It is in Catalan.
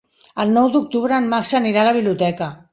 El nou d'octubre en Max anirà a la biblioteca.